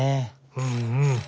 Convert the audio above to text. うんうん。